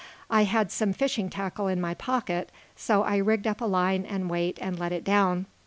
I had some fishing tackle in my pocket, so I rigged up a line and weight, and let it down.